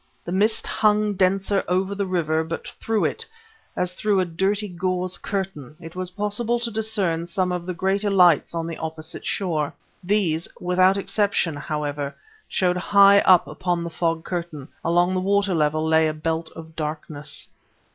The mist hung denser over the river, but through it, as through a dirty gauze curtain, it was possible to discern some of the greater lights on the opposite shore. These, without exception, however, showed high up upon the fog curtain; along the water level lay a belt of darkness.